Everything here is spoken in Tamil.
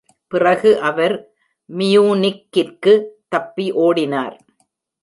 பிறகு அவர் மியூனிக்கிற்கு தப்பி ஓடினார்.